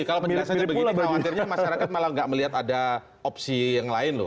khawatirnya masyarakat malah nggak melihat ada opsi yang lain loh